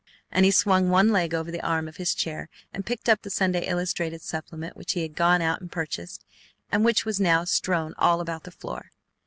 And he swung one leg over the arm of his chair, and picked up the Sunday illustrated supplement which he had gone out and purchased, and which was now strewn all about the floor.